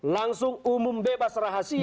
langsung umum bebas rahasia